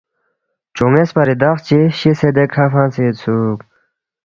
چون٘یس پا ریدخ چی شِسے دیکھہ فنگسے یودسُوک